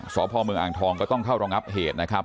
สพเมืองอ่างทองก็ต้องเข้ารองับเหตุนะครับ